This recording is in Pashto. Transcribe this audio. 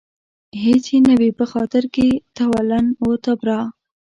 هېڅ يې نه وي په خاطر کې تولاً و تبرا